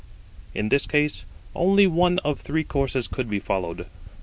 In this case, only one of three courses could be followed.